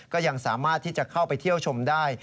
ก็ยังสามารถที่จะเข้าไปเที่ยวชมได้